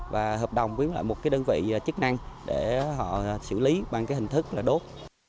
và hợp đồng với một đơn vị chức năng để họ xử lý bằng hình thức đốt